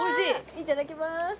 いただきまーす！